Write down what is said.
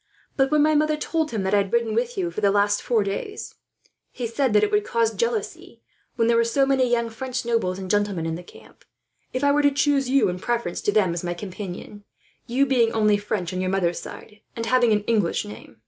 But when my mother told him that I had ridden with you for the last four days, he said that it would cause jealousy, when there were so many young French nobles and gentlemen in the camp, if I were to choose you in preference to them as my companion; you being only French on your mother's side, and having an English name.